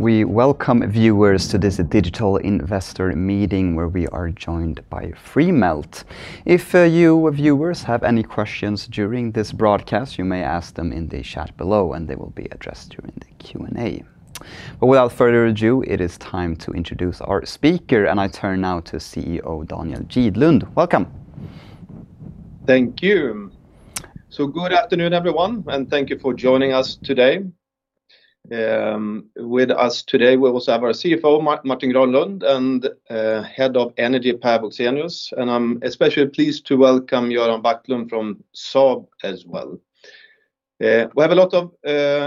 We welcome viewers to this digital investor meeting where we are joined by Freemelt. If you viewers have any questions during this broadcast, you may ask them in the chat below and they will be addressed during the Q&A. Without further ado, it is time to introduce our speaker, and I turn now to CEO Daniel Gidlund. Welcome. Thank you. Good afternoon, everyone, and thank you for joining us today. With us today, we also have our CFO, Martin Granlund, and Head of Energy, Per Woxenius. I'm especially pleased to welcome Göran Backlund from Saab as well. We have a lot of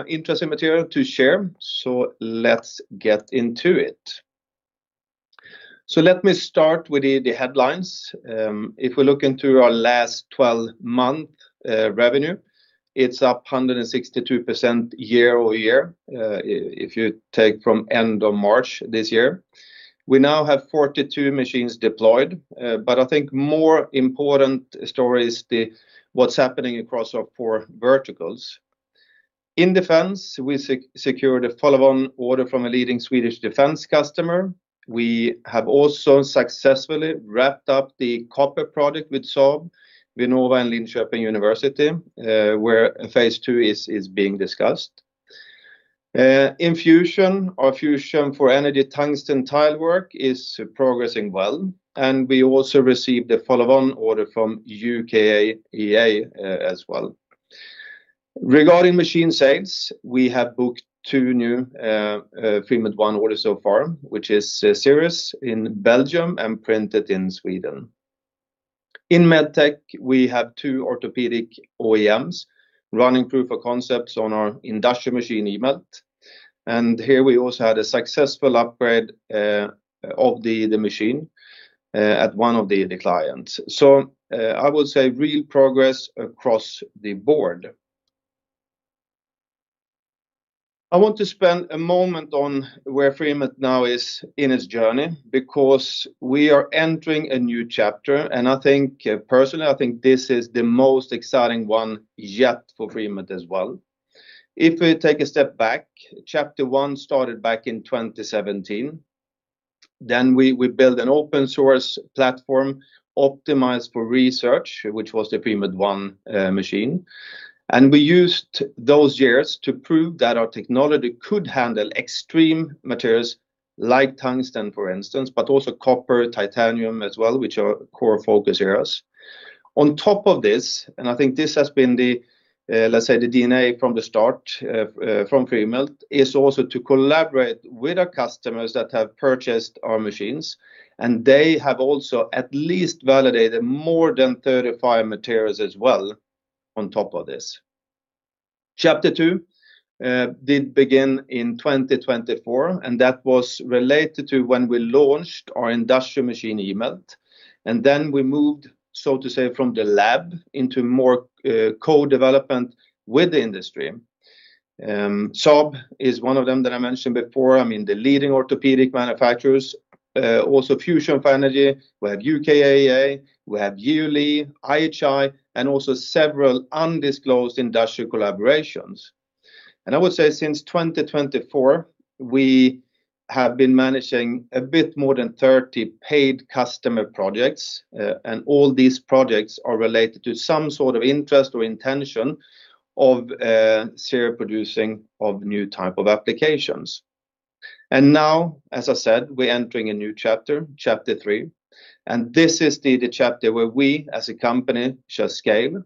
interesting material to share, so let's get into it. Let me start with the headlines. If we look into our last 12-month revenue, it's up 162% year-over-year, if you take from end of March this year. We now have 42 machines deployed. I think more important story is what's happening across our four verticals. In defense, we secured a follow-on order from a leading Swedish defense customer. We have also successfully wrapped up the copper project with Saab, Vinnova, and Linköping University, where phase two is being discussed. In fusion, our Fusion for Energy tungsten tile work is progressing well, and we also received a follow-on order from UKAEA as well. Regarding machine sales, we have booked two new Freemelt ONE orders so far, which is Sirris in Belgium and Printed in Sweden. In MedTech, we have two orthopedic OEMs running proof of concepts on our industrial machine, eMELT. Here we also had a successful upgrade of the machine at one of the clients. I would say real progress across the board. I want to spend a moment on where Freemelt now is in its journey, because we are entering a new chapter, and personally, I think this is the most exciting one yet for Freemelt as well. If we take a step back, chapter one started back in 2017. We built an open-source platform optimized for research, which was the Freemelt ONE machine. We used those years to prove that our technology could handle extreme materials like tungsten, for instance, but also copper, titanium as well, which are core focus areas. On top of this, I think this has been the, let's say, the DNA from the start from Freemelt, is also to collaborate with our customers that have purchased our machines, and they have also at least validated more than 35 materials as well on top of this. Chapter two did begin in 2024, that was related to when we launched our industrial machine, eMELT. Then we moved, so to say, from the lab into more co-development with the industry. Saab is one of them that I mentioned before. The leading orthopedic manufacturers, also Fusion for Energy, we have UKAEA, we have ULE, IHI, and also several undisclosed industrial collaborations. I would say since 2024, we have been managing a bit more than 30 paid customer projects. All these projects are related to some sort of interest or intention of serial producing of new type of applications. Now, as I said, we're entering a new chapter three. This is the chapter where we as a company shall scale.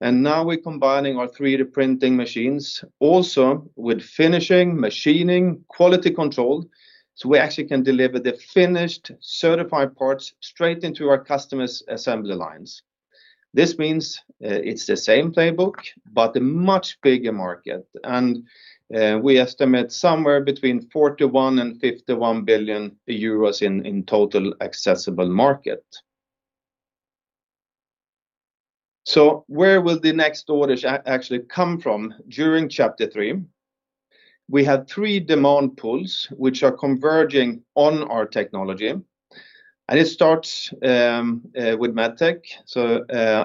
Now we're combining our 3D printing machines also with finishing, machining, quality control, so we actually can deliver the finished certified parts straight into our customers' assembly lines. This means it's the same playbook, but a much bigger market, and we estimate somewhere between 41 billion and 51 billion euros in total accessible market. Where will the next orders actually come from during chapter three? We have three demand pools which are converging on our technology, and it starts with MedTech.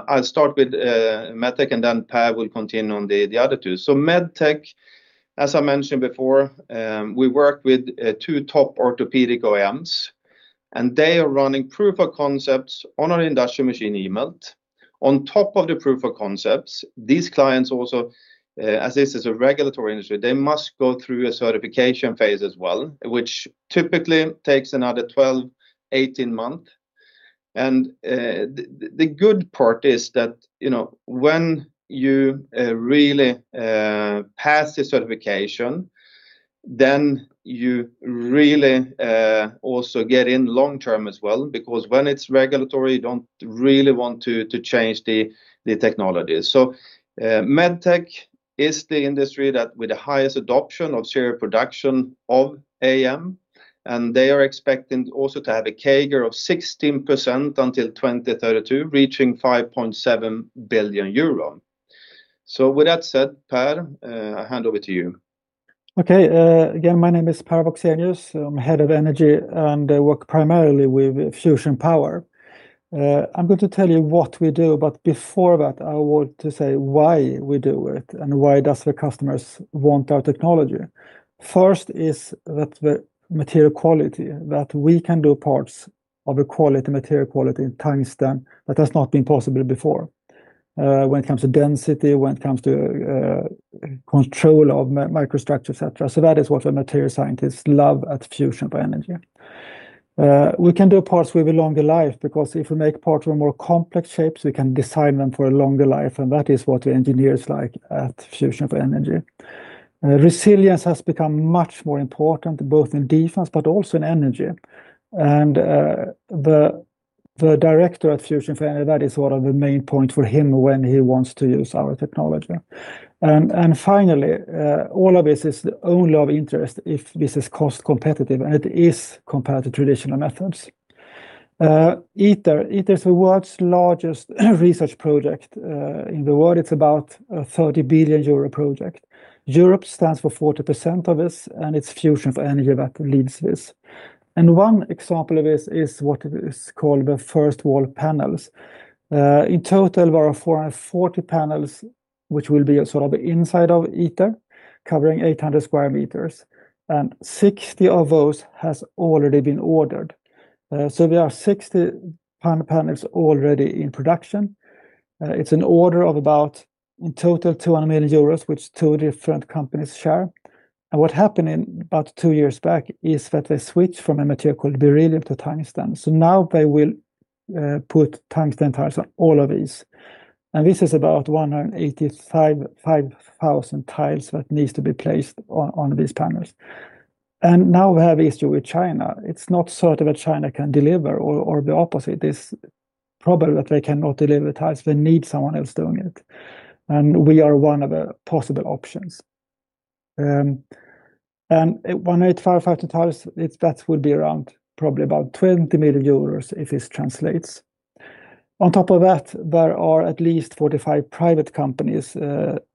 I'll start with MedTech, and then Per will continue on the other two. MedTech, as I mentioned before, we work with two top orthopedic OEMs, and they are running proof of concepts on our industrial machine, eMELT. On top of the proof of concepts, these clients also, as this is a regulatory industry, they must go through a certification phase as well, which typically takes another 12, 18 months. The good part is that, when you really pass the certification, then you really also get in long-term as well, because when it's regulatory, you don't really want to change the technology. MedTech is the industry with the highest adoption of serial production of AM, and they are expecting also to have a CAGR of 16% until 2032, reaching EUR 5.7 billion. With that said, Per, I hand over to you. Okay. Again, my name is Per Woxenius. I'm Head of Energy, and I work primarily with fusion power. I'm going to tell you what we do, but before that, I want to say why we do it, and why does the customers want our technology. First is that the material quality, that we can do parts of a quality, material quality in tungsten that has not been possible before, when it comes to density, when it comes to control of microstructure, et cetera. That is what the material scientists love at Fusion for Energy. We can do parts with a longer life, because if we make parts with more complex shapes, we can design them for a longer life, and that is what the engineers like at Fusion for Energy. Resilience has become much more important, both in defense but also in energy. The director at Fusion for Energy, that is one of the main point for him when he wants to use our technology. Finally, all of this is only of interest if this is cost competitive, and it is compared to traditional methods. ITER. ITER is the world's largest research project in the world. It's about a 30 billion euro project. Europe stands for 40% of this, and it's Fusion for Energy that leads this. One example of this is what is called the first wall panels. In total, there are 440 panels, which will be inside of ITER, covering 800 sq m. 60 of those has already been ordered. There are 60 panels already in production. It's an order of about, in total, 200 million euros, which two different companies share. What happened in about two years back is that they switched from a material called beryllium to tungsten. Now they will put tungsten tiles on all of these. This is about 185,000 tiles that needs to be placed on these panels. Now we have issue with China. It's not certain that China can deliver or the opposite. It's probable that they cannot deliver the tiles, they need someone else doing it. We are one of the possible options. 185,000 tiles, that would be around probably about 20 million euros if this translates. On top of that, there are at least 45 private companies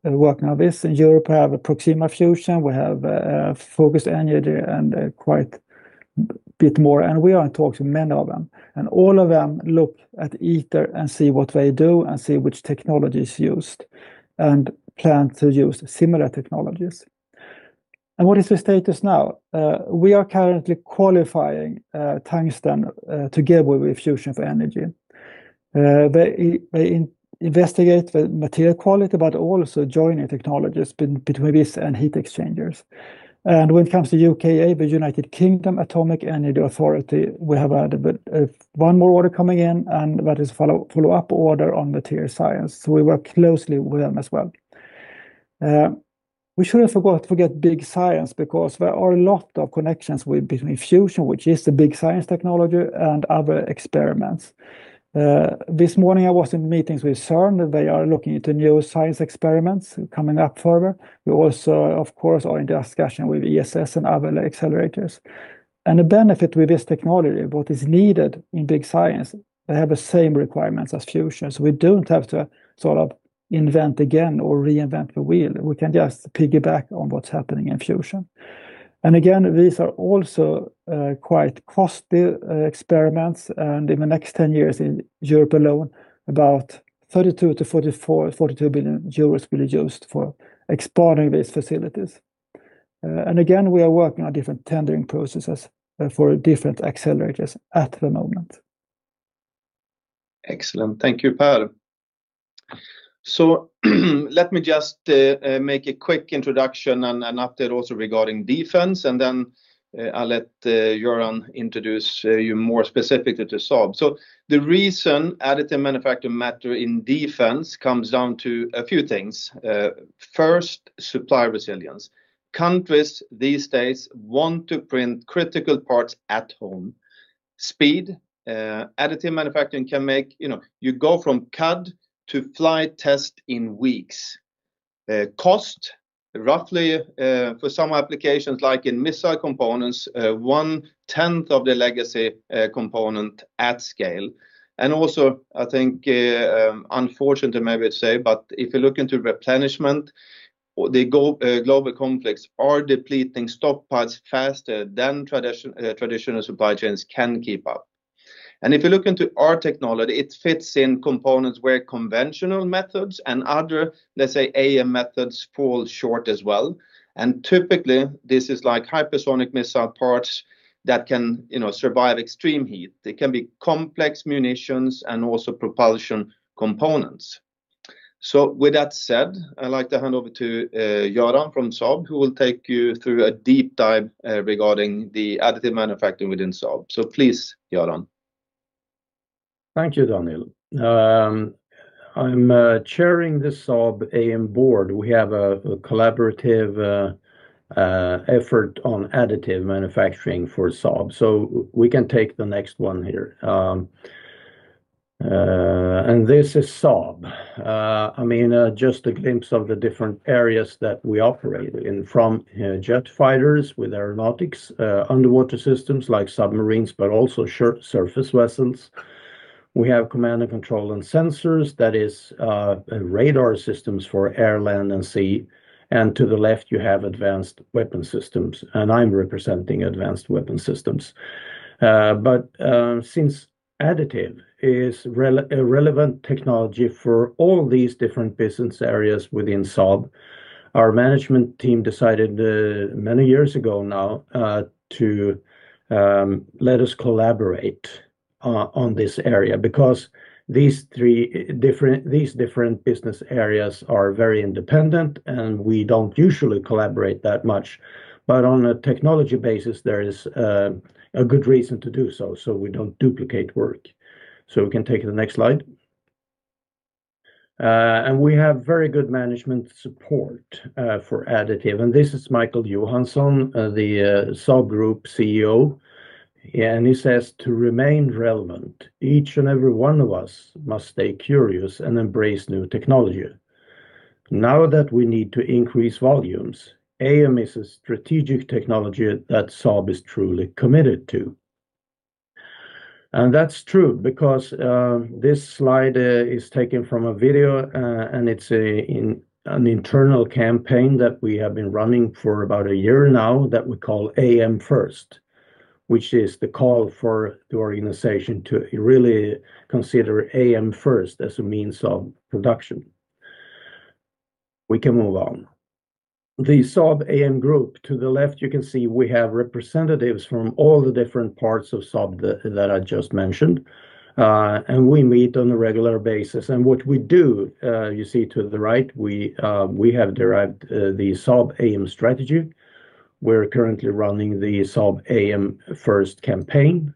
working on this. In Europe, we have Proxima Fusion, we have Focused Energy, and quite a bit more, and we are in talks with many of them. All of them look at ITER and see what they do and see which technology is used, and plan to use similar technologies. What is the status now? We are currently qualifying tungsten together with Fusion for Energy. They investigate the material quality, but also joining technologies between this and heat exchangers. When it comes to UKAEA, the U.K. Atomic Energy Authority, we have one more order coming in, and that is follow-up order on material science, so we work closely with them as well. We shouldn't forget big science, because there are a lot of connections between fusion, which is the big science technology, and other experiments. This morning, I was in meetings with CERN. They are looking into new science experiments coming up further. We also, of course, are in discussion with ESS and other accelerators. The benefit with this technology, what is needed in big science, they have the same requirements as fusion. We don't have to invent again or reinvent the wheel. We can just piggyback on what's happening in fusion. Again, these are also quite costly experiments. In the next 10 years in Europe alone, about 32 billion-42 billion euros will be used for expanding these facilities. Again, we are working on different tendering processes for different accelerators at the moment. Excellent. Thank you, Per. Let me just make a quick introduction and an update also regarding defense, and then I'll let Göran introduce you more specifically to Saab. The reason additive manufacturing matter in defense comes down to a few things. First, supply resilience. Countries these days want to print critical parts at home. Speed. additive manufacturing can make you go from CAD to flight test in weeks. Cost. Roughly, for some applications, like in missile components, 1/10 of the legacy component at scale. Also, I think, unfortunate to maybe say, if you look into replenishment, the global conflicts are depleting stockpiles faster than traditional supply chains can keep up. If you look into our technology, it fits in components where conventional methods and other, let's say, AM methods fall short as well. Typically, this is like hypersonic missile parts that can survive extreme heat. They can be complex munitions and also propulsion components. With that said, I'd like to hand over to Göran from Saab, who will take you through a deep dive regarding the additive manufacturing within Saab. Please, Göran. Thank you, Daniel. I'm chairing the Saab AM board. We have a collaborative effort on additive manufacturing for Saab. We can take the next one here. This is Saab. Just a glimpse of the different areas that we operate in, from jet fighters with aeronautics, underwater systems like submarines, but also surface vessels. We have command and control and sensors, that is radar systems for air, land and sea. To the left, you have advanced weapon systems, and I'm representing advanced weapon systems. Since additive is a relevant technology for all these different business areas within Saab, our management team decided many years ago now to let us collaborate on this area, because these different business areas are very independent, and we don't usually collaborate that much, but on a technology basis, there is a good reason to do so we don't duplicate work. We can take the next slide. We have very good management support for Additive, this is Micael Johansson, the Saab Group CEO, he says, to remain relevant, each and every one of us must stay curious and embrace new technology. Now that we need to increase volumes, AM is a strategic technology that Saab is truly committed to. That's true because this slide is taken from a video, it's an internal campaign that we have been running for about one year now that we call AM First, which is the call for the organization to really consider AM first as a means of production. We can move on. The Saab AM Group, to the left, you can see we have representatives from all the different parts of Saab that I just mentioned. We meet on a regular basis. What we do, you see to the right, we have derived the Saab AM strategy. We're currently running the Saab AM First campaign.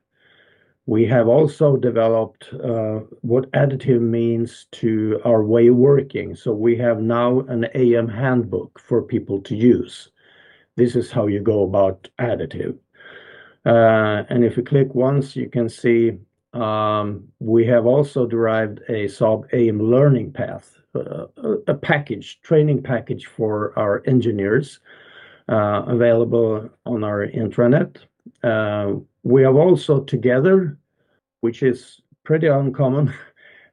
We have also developed what additive means to our way of working. We have now an AM handbook for people to use. This is how you go about additive. If you click once, you can see we have also derived a Saab AM learning path, a training package for our engineers, available on our intranet. We have also together, which is pretty uncommon,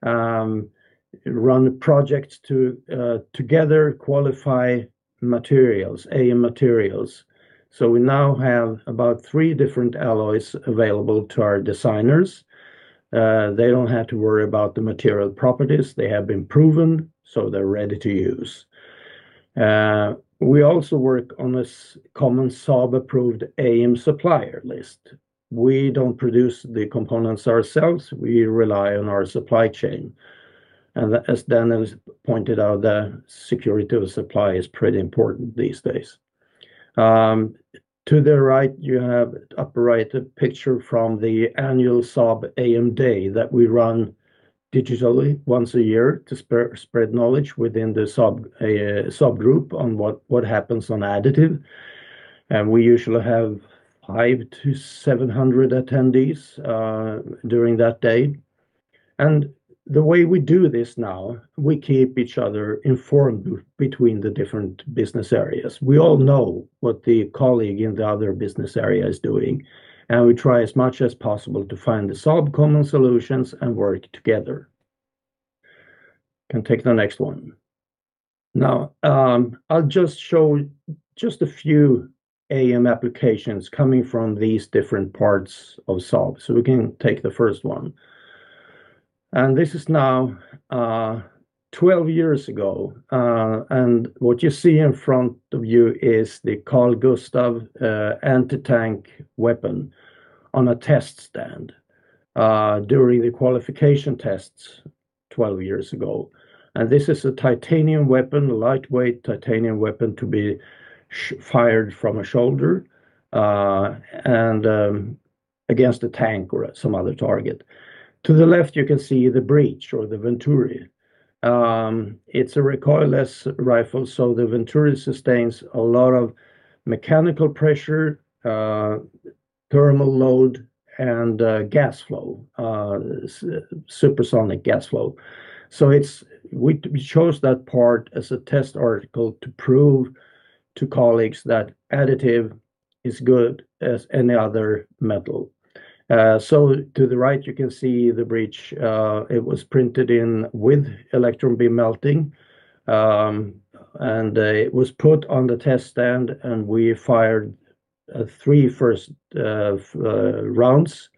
run projects to together qualify AM materials. We now have about three different alloys available to our designers. They don't have to worry about the material properties. They have been proven, so they're ready to use. We also work on this common Saab-approved AM supplier list. We don't produce the components ourselves. We rely on our supply chain. As Daniel pointed out, the security of supply is pretty important these days. To the upper right, you have a picture from the annual Saab AM Day that we run digitally once a year to spread knowledge within the Saab Group on what happens on Additive. We usually have 500 to 700 attendees during that day. The way we do this now, we keep each other informed between the different business areas. We all know what the colleague in the other business area is doing, and we try as much as possible to find the Saab common solutions and work together. Can take the next one. Now, I'll just show just a few AM applications coming from these different parts of Saab. We can take the first one. This is now 12 years ago. What you see in front of you is the Carl-Gustaf anti-tank weapon on a test stand during the qualification tests 12 years ago. This is a lightweight titanium weapon to be fired from a shoulder and against a tank or some other target. To the left, you can see the breech or the venturi. It's a recoilless rifle, so the venturi sustains a lot of mechanical pressure, thermal load, and supersonic gas flow. We chose that part as a test article to prove to colleagues that additive is as good as any other metal. To the right, you can see the breech. It was printed in with electron beam melting, and it was put on the test stand, and we fired three first rounds,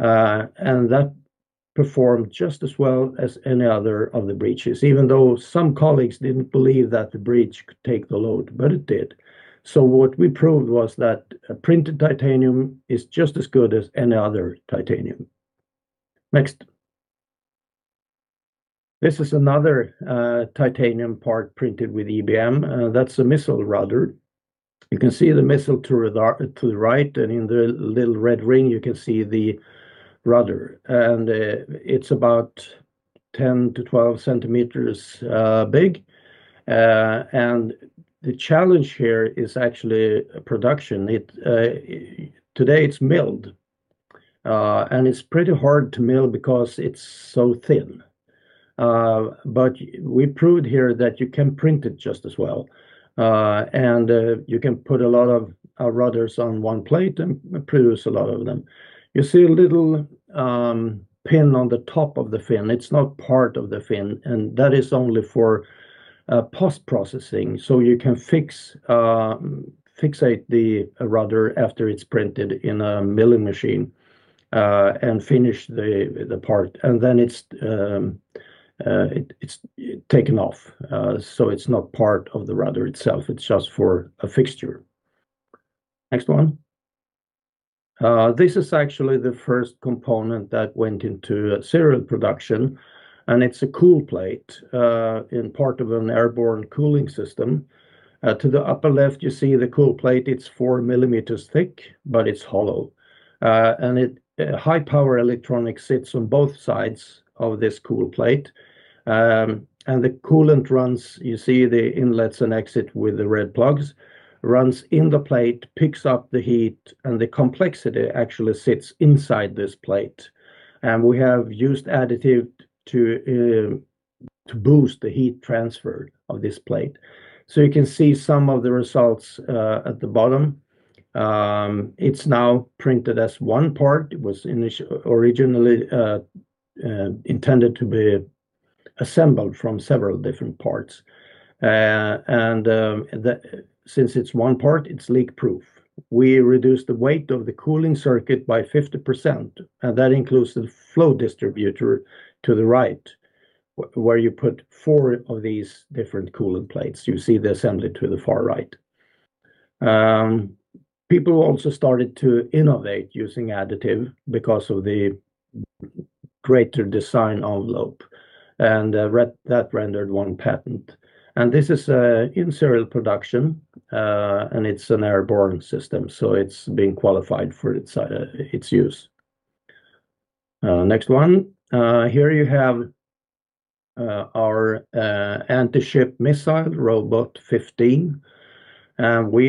and that performed just as well as any other of the breeches, even though some colleagues didn't believe that the breech could take the load, but it did. What we proved was that printed titanium is just as good as any other titanium. Next. This is another titanium part printed with EBM. That's a missile rudder. You can see the missile to the right, and in the little red ring, you can see the rudder, and it's about 10 to 12 cm big. The challenge here is actually production. Today, it's milled. It's pretty hard to mill because it's so thin. We proved here that you can print it just as well. You can put a lot of rudders on one plate and produce a lot of them. You see a little pin on the top of the fin. It's not part of the fin, and that is only for post-processing, so you can fixate the rudder after it's printed in a milling machine and finish the part. Then it's taken off, so it's not part of the rudder itself. It's just for a fixture. Next one. This is actually the first component that went into serial production, and it's a cool plate in part of an airborne cooling system. To the upper left, you see the cool plate. It's four millimeters thick, but it's hollow. High power electronics sits on both sides of this cool plate. The coolant runs, you see the inlets and exit with the red plugs, runs in the plate, picks up the heat, and the complexity actually sits inside this plate. We have used additive to boost the heat transfer of this plate. You can see some of the results at the bottom. It's now printed as one part. It was originally intended to be assembled from several different parts. Since it's one part, it's leak-proof. We reduced the weight of the cooling circuit by 50%, and that includes the flow distributor to the right, where you put four of these different coolant plates. You see the assembly to the far right. People also started to innovate using additive because of the greater design envelope, and that rendered one patent. This is in serial production, and it's an airborne system, so it's being qualified for its use. Next one. Here you have our anti-ship missile, RBS 15. We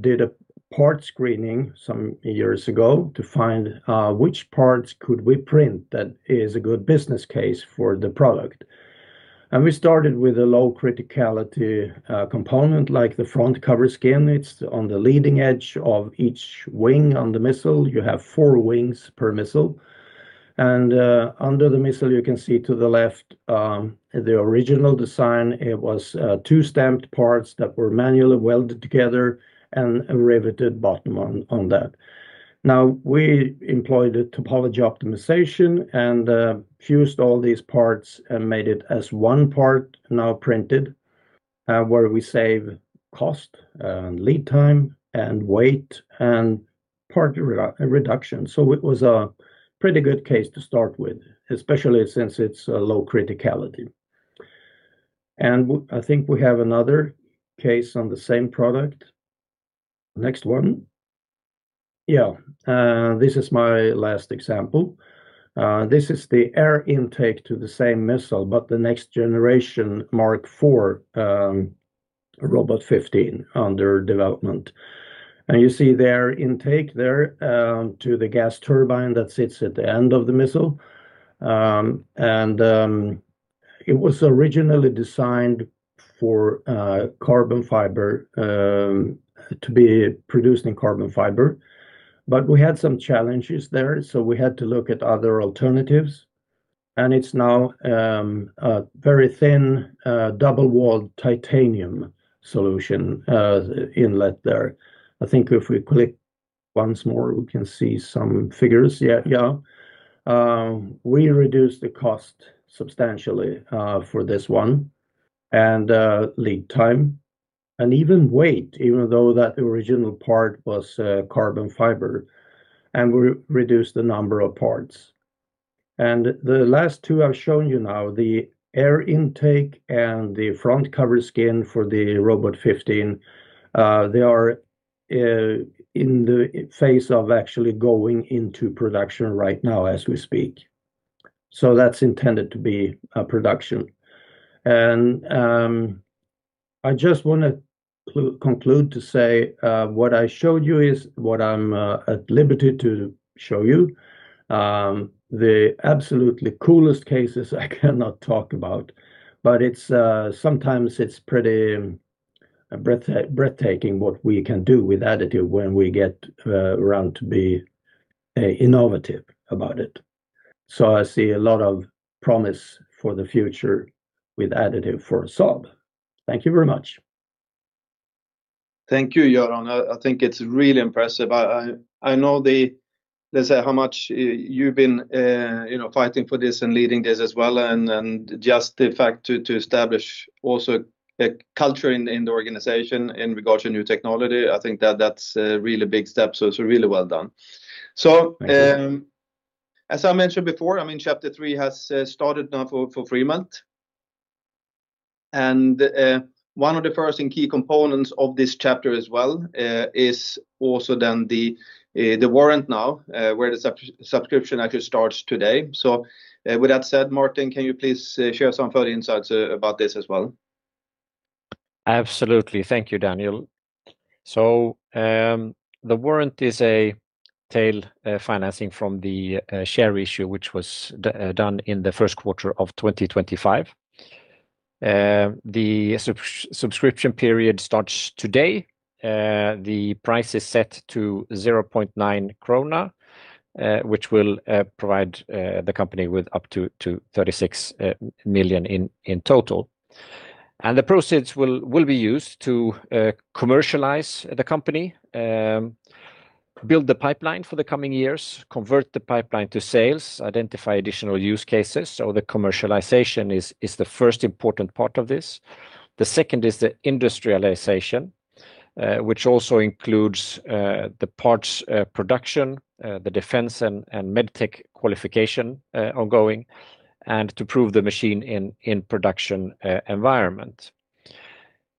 did a part screening some years ago to find which parts could we print that is a good business case for the product. We started with a low criticality component like the front cover skin. It's on the leading edge of each wing on the missile. You have four wings per missile. Under the missile, you can see to the left, the original design, it was two stamped parts that were manually welded together and a riveted bottom on that. Now, we employed a topology optimization and fused all these parts and made it as one part now printed, where we save cost and lead time and weight and part reduction. It was a pretty good case to start with, especially since it's low criticality. I think we have another case on the same product. Next one. This is my last example. This is the air intake to the same missile, but the next generation Mk4 RBS 15 under development. You see their intake there to the gas turbine that sits at the end of the missile. It was originally designed to be produced in carbon fiber, but we had some challenges there, so we had to look at other alternatives, and it's now a very thin double-walled titanium solution inlet there. I think if we click once more, we can see some figures. We reduced the cost substantially for this one, and lead time, and even weight, even though that original part was carbon fiber, and we reduced the number of parts. The last two I've shown you now, the air intake and the front cover skin for the RBS 15, they are in the phase of actually going into production right now as we speak. That's intended to be a production. I just want to conclude to say, what I showed you is what I'm at liberty to show you. The absolutely coolest cases I cannot talk about, but sometimes it's pretty breathtaking what we can do with additive when we get around to be innovative about it. I see a lot of promise for the future with additive for Saab. Thank you very much. Thank you, Göran. I think it's really impressive. I know how much you've been fighting for this and leading this as well, and just the fact to establish also a culture in the organization in regards to new technology. I think that's a really big step, so it's really well done. Thank you. As I mentioned before, chapter three has started now for three months. One of the first and key components of this chapter as well is also the warrant now, where the subscription actually starts today. With that said, Martin, can you please share some further insights about this as well? Absolutely. Thank you, Daniel. The warrant is a tail financing from the share issue, which was done in the first quarter of 2025. The subscription period starts today. The price is set to 0.9 krona, which will provide the company with up to 36 million in total. The proceeds will be used to commercialize the company, build the pipeline for the coming years, convert the pipeline to sales, identify additional use cases. The commercialization is the first important part of this. The second is the industrialization, which also includes the parts production, the defense and MedTech qualification ongoing, and to prove the machine in production environment.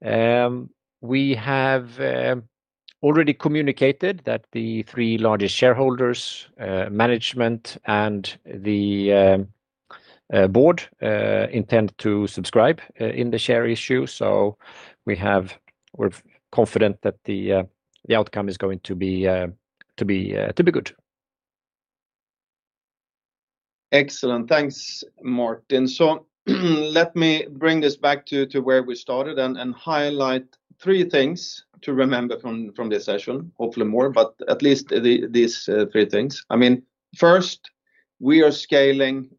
We have already communicated that the three largest shareholders, management, and the board intend to subscribe in the share issue. We're confident that the outcome is going to be good. Excellent. Thanks, Martin. Let me bring this back to where we started and highlight three things to remember from this session. Hopefully more, but at least these three things. First, we are scaling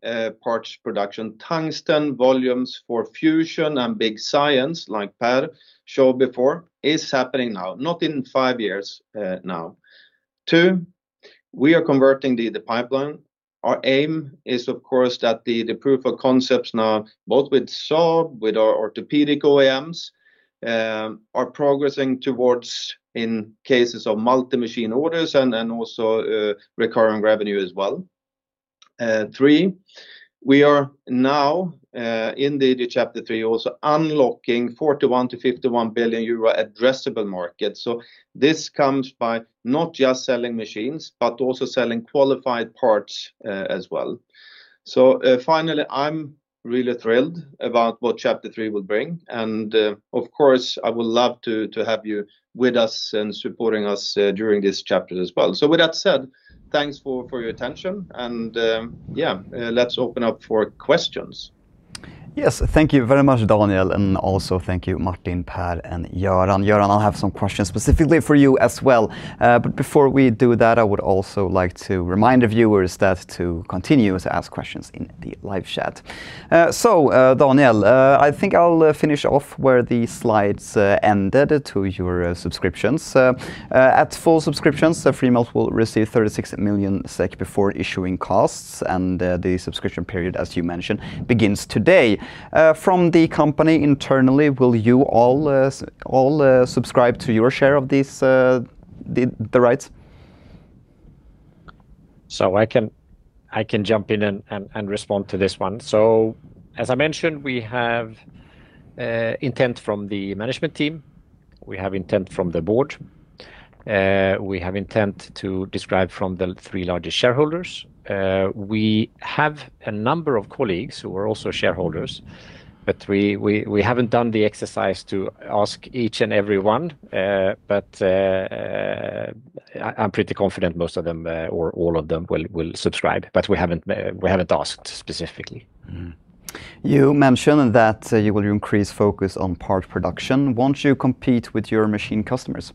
parts production. Tungsten volumes for fusion and big science, like Per showed before, is happening now, not in five years, now. Two, we are converting the pipeline. Our aim is of course that the proof of concepts now, both with Saab, with our orthopedic OEMs, are progressing towards, in cases of multi-machine orders and also recurring revenue as well. Three, we are now, in chapter three, also unlocking 41 billion-51 billion euro addressable market. This comes by not just selling machines, but also selling qualified parts as well. Finally, I'm really thrilled about what chapter three will bring. Of course, I would love to have you with us and supporting us during this chapter as well. With that said, thanks for your attention. Let's open up for questions. Yes. Thank you very much, Daniel, and also thank you, Martin, Per, and Göran. Göran, I'll have some questions specifically for you as well. Before we do that, I would also like to remind the viewers that to continue to ask questions in the live chat. Daniel, I think I'll finish off where the slides ended to your subscriptions. At full subscriptions, Freemelt will receive 36 million SEK before issuing costs and the subscription period, as you mentioned, begins today. From the company internally, will you all subscribe to your share of the rights? I can jump in and respond to this one. As I mentioned, we have intent from the management team, we have intent from the board. We have intent to subscribe from the three largest shareholders. We have a number of colleagues who are also shareholders, but we haven't done the exercise to ask each and every one. I'm pretty confident most of them or all of them will subscribe. We haven't asked specifically. You mentioned that you will increase focus on part production. Won't you compete with your machine customers?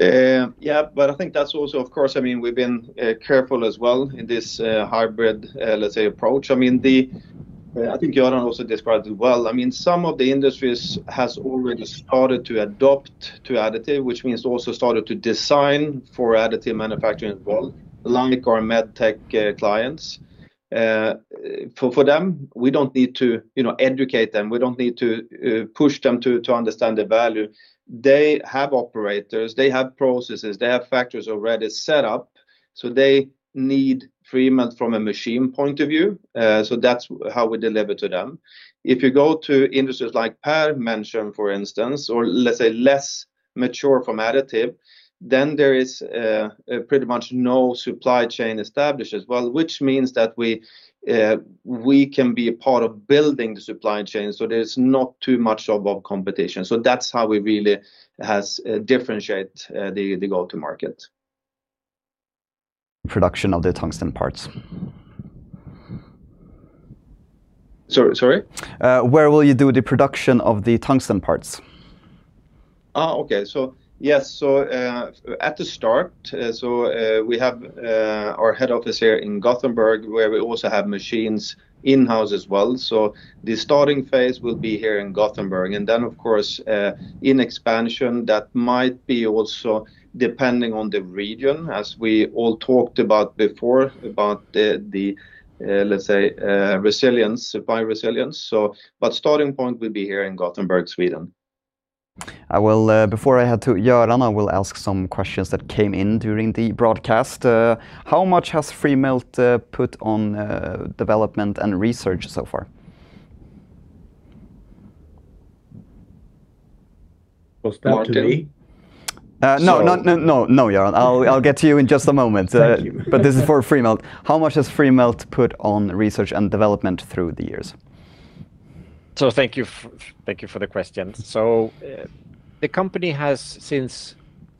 I think that's also, of course, we've been careful as well in this hybrid, let's say, approach. I think Göran also described it well. Some of the industries has already started to adopt to additive, which means also started to design for additive manufacturing as well, like our MedTech clients. For them, we don't need to educate them. We don't need to push them to understand the value. They have operators, they have processes, they have factors already set up. They need Freemelt from a machine point of view. That's how we deliver to them. If you go to industries like Per mentioned, for instance, or let's say less mature from additive, then there is pretty much no supply chain established as well, which means that we can be a part of building the supply chain so there's not too much of a competition. That's how we really has differentiate the go-to market. Production of the tungsten parts. Sorry? Where will you do the production of the tungsten parts? At the start, we have our head office here in Gothenburg where we also have machines in-house as well. The starting phase will be here in Gothenburg. Then, of course, in expansion, that might be also depending on the region, as we all talked about before, about the, let's say, supply resilience. Starting point will be here in Gothenburg, Sweden. Before I head to Göran, I will ask some questions that came in during the broadcast. How much has Freemelt put on development and research so far? Was that to me? No, Göran. I'll get to you in just a moment. Thank you. This is for Freemelt. How much has Freemelt put on research and development through the years? Thank you for the question. The company has, since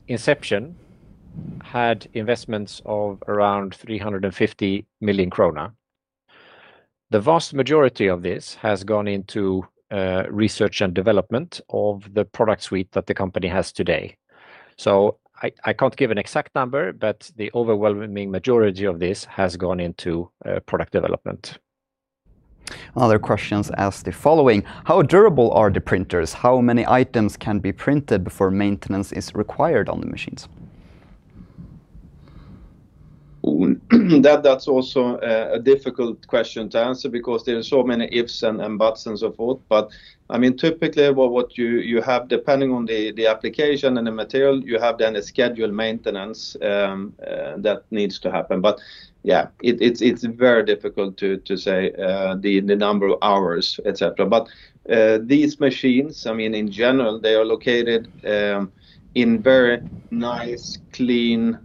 inception, had investments of around 350 million krona. The vast majority of this has gone into research and development of the product suite that the company has today. I can't give an exact number, but the overwhelming majority of this has gone into product development. Another question asks the following, how durable are the printers? How many items can be printed before maintenance is required on the machines? That's also a difficult question to answer because there are so many ifs and buts, and so forth. Typically, what you have, depending on the application and the material, you have then a scheduled maintenance that needs to happen. Yeah, it's very difficult to say the number of hours, et cetera. These machines, in general, they are located in very nice, clean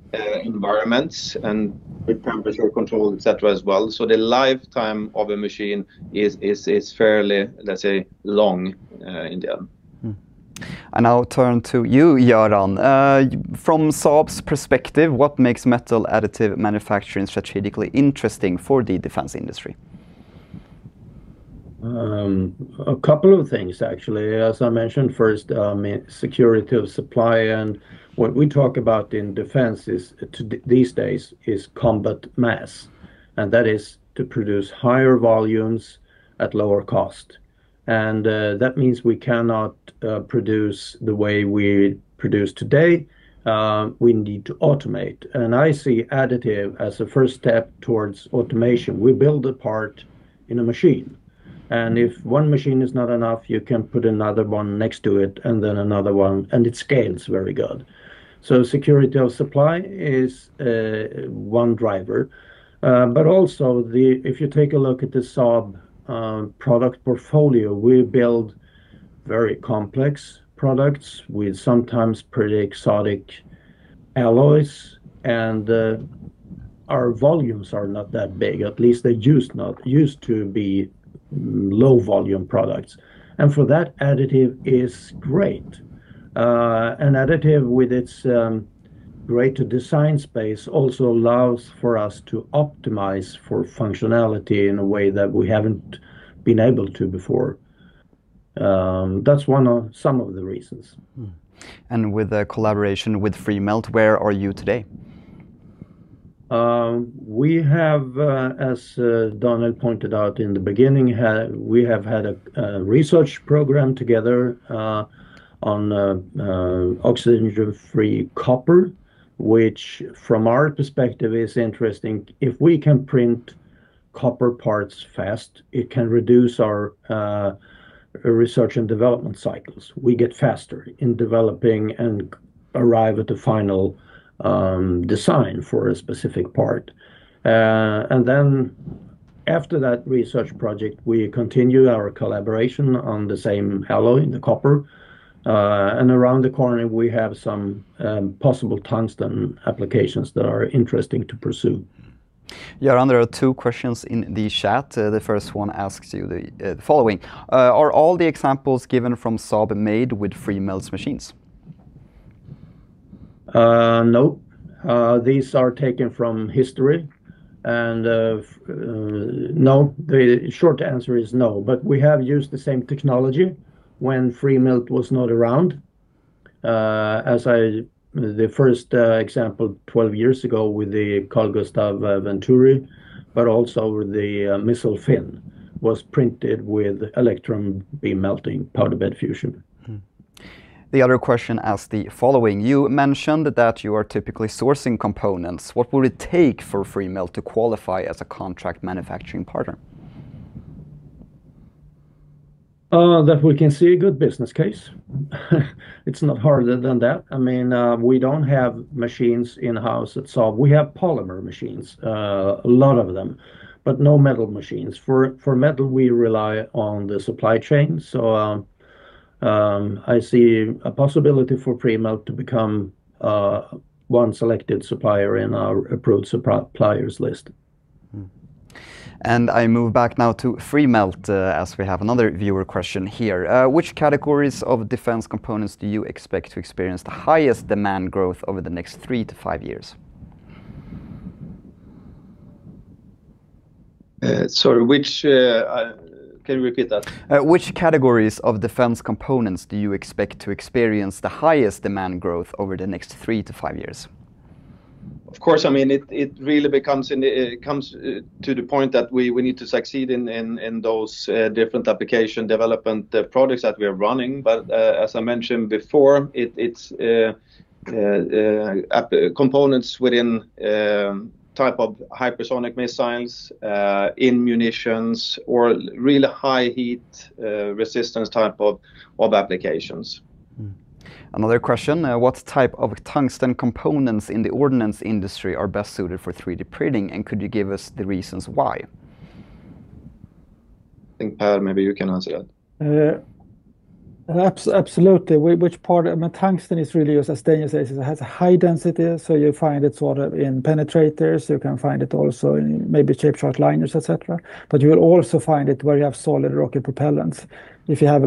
environments and with temperature control, et cetera, as well. The lifetime of a machine is fairly, let's say, long in general. I'll turn to you, Göran. From Saab's perspective, what makes metal additive manufacturing strategically interesting for the defense industry? A couple of things, actually. As I mentioned, first, security of supply and what we talk about in defense these days is combat mass, and that is to produce higher volumes at lower cost. That means we cannot produce the way we produce today. We need to automate, and I see additive as a first step towards automation. We build a part in a machine, and if one machine is not enough, you can put another one next to it and then another one, and it scales very good. Security of supply is one driver. Also, if you take a look at the Saab product portfolio, we build very complex products with sometimes pretty exotic alloys, and our volumes are not that big, at least they used to be low volume products. For that, additive is great. Additive with its greater design space also allows for us to optimize for functionality in a way that we haven't been able to before. That's some of the reasons. With the collaboration with Freemelt, where are you today? We have, as Daniel pointed out in the beginning, we have had a research program together on oxygen-free copper, which from our perspective is interesting. If we can print copper parts fast, it can reduce our research and development cycles. We get faster in developing and arrive at the final design for a specific part. Then after that research project, we continue our collaboration on the same alloy, the copper, and around the corner, we have some possible tungsten applications that are interesting to pursue. Göran, there are two questions in the chat. The first one asks you the following, are all the examples given from Saab made with Freemelt's machines? No. These are taken from history and the short answer is no. We have used the same technology when Freemelt was not around. As the first example, 12 years ago with the Carl-Gustaf Venturi, but also the missile fin was printed with electron beam melting powder bed fusion. The other question asks the following. You mentioned that you are typically sourcing components. What would it take for Freemelt to qualify as a contract manufacturing partner? That we can see a good business case. It's not harder than that. We don't have machines in-house at Saab. We have polymer machines, a lot of them, but no metal machines. For metal, we rely on the supply chain. I see a possibility for Freemelt to become one selected supplier in our approved suppliers list. I move back now to Freemelt, as we have another viewer question here. Which categories of defense components do you expect to experience the highest demand growth over the next three to five years? Sorry, can you repeat that? Which categories of defense components do you expect to experience the highest demand growth over the next three to five years? Of course, it really comes to the point that we need to succeed in those different application development products that we are running. As I mentioned before, it's components within type of hypersonic missiles, in munitions, or really high heat resistance type of applications. Another question, what type of tungsten components in the ordinance industry are best suited for 3D printing? Could you give us the reasons why? I think, Per, maybe you can answer that. Absolutely. Which part? Tungsten is really, as Daniel says, it has a high density, so you find it in penetrators, you can find it also in maybe shaped charge liners, et cetera. You will also find it where you have solid rocket propellants. If you have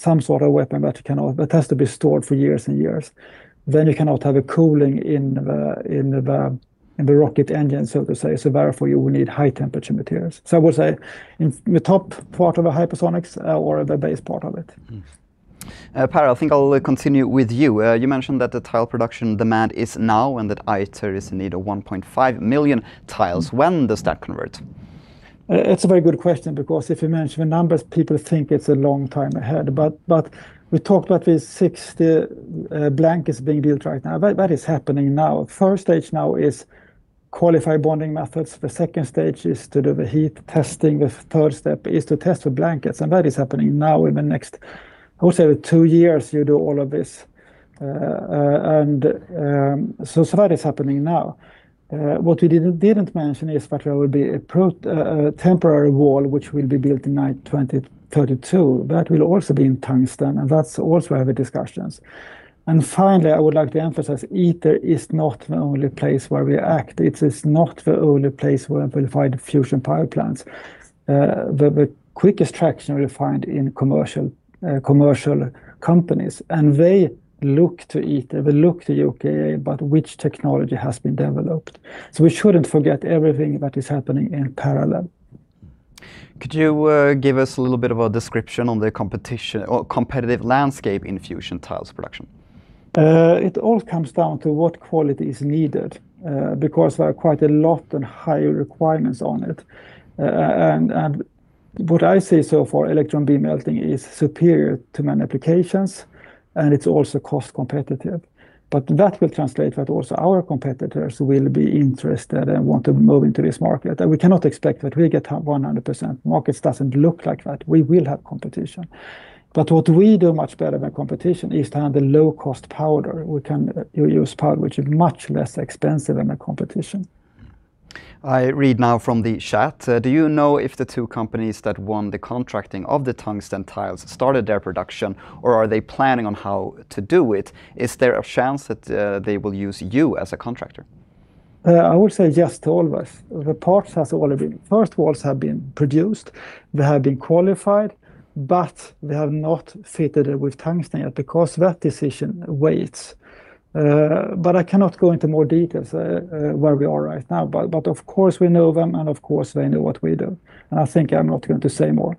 some sort of weapon that has to be stored for years and years, then you cannot have a cooling in the rocket engine, so to say. Therefore, you will need high-temperature materials. I would say in the top part of a hypersonics or the base part of it. Per, I think I'll continue with you. You mentioned that the tile production demand is now and that ITER is in need of 1.5 million tiles. When does that convert? It's a very good question, because if you mention the numbers, people think it's a long time ahead. We talked about these 60 blankets being built right now. That is happening now. First stage now is qualify bonding methods. The second stage is to do the heat testing. The third step is to test the blankets, and that is happening now in the next, I would say two years, you do all of this. That is happening now. What we didn't mention is that there will be a temporary wall, which will be built in 2032. That will also be in tungsten, and that's also have discussions. Finally, I would like to emphasize, ITER is not the only place where we act. It is not the only place where we'll find fusion power plants. The quickest traction we find in commercial companies, they look to ITER, they look to U.K. about which technology has been developed. We shouldn't forget everything that is happening in parallel. Could you give us a little bit of a description on the competitive landscape in fusion tiles production? It all comes down to what quality is needed, because there are quite a lot and high requirements on it. What I say so far, electron beam melting is superior to many applications and it is also cost competitive. That will translate that also our competitors will be interested and want to move into this market. We cannot expect that we get 100%. Markets doesn't look like that. We will have competition. What we do much better than competition is to have the low-cost powder. We can use powder which is much less expensive than the competition. I read now from the chat. Do you know if the two companies that won the contracting of the tungsten tiles started their production, or are they planning on how to do it? Is there a chance that they will use you as a contractor? I would say yes to all of us. The first walls have been produced. They have been qualified, but they have not fitted it with tungsten yet because that decision waits. I cannot go into more details where we are right now. Of course, we know them and of course, they know what we do. I think I'm not going to say more.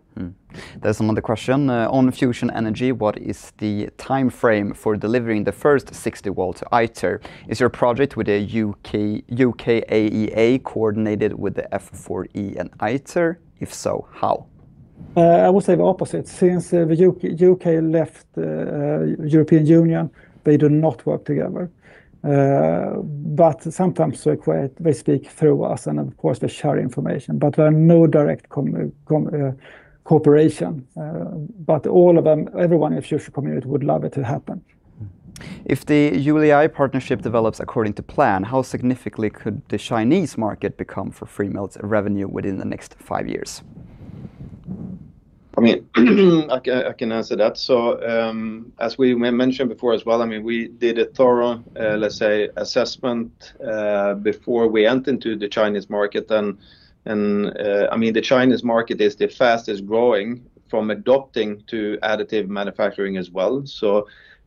There's another question. On fusion energy, what is the timeframe for delivering the first 60 walls to ITER? Is your project with the UKAEA coordinated with the F4E and ITER? If so, how? I would say the opposite. Since the U.K. left the European Union, they do not work together. Sometimes they speak through us and of course they share information, but there are no direct cooperation. Everyone in future community would love it to happen. If the Jiuli partnership develops according to plan, how significantly could the Chinese market become for Freemelt's revenue within the next five years? I can answer that. As we mentioned before as well, we did a thorough, let's say, assessment before we entered into the Chinese market then. The Chinese market is the fastest-growing from adopting to additive manufacturing as well.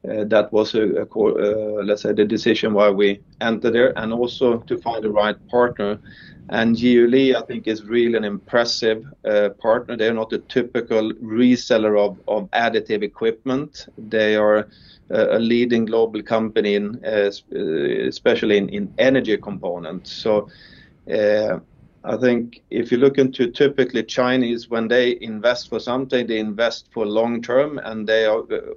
That was, let's say, the decision why we enter there, and also to find the right partner. Jiuli, I think, is really an impressive partner. They're not a typical reseller of additive equipment. They are a leading global company, especially in energy components. I think if you look into typically Chinese, when they invest for something, they invest for long-term, and they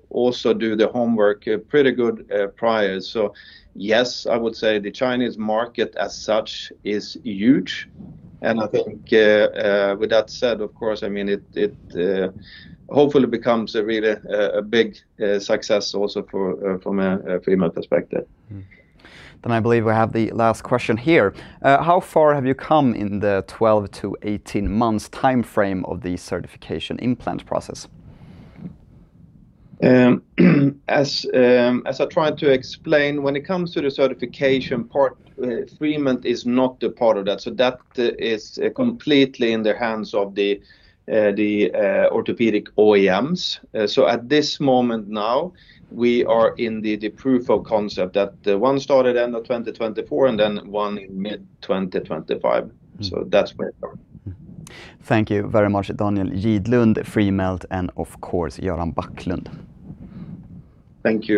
also do their homework pretty good prior. Yes, I would say the Chinese market as such is huge. I think with that said, of course, it hopefully becomes a really big success also from a Freemelt perspective. I believe we have the last question here. How far have you come in the 12 to 18 months timeframe of the certification implant process? As I tried to explain, when it comes to the certification part, Freemelt is not a part of that. That is completely in the hands of the orthopedic OEMs. At this moment now, we are in the proof of concept. One started end of 2024, and then one in mid-2025. That's where we are. Thank you very much, Daniel Gidlund, Freemelt, and of course, Göran Backlund. Thank you.